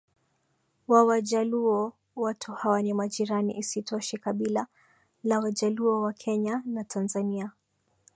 wa Wajaluo watu hawa ni majirani Isitoshe kabila la Wajaluo wa Kenya na Tanzania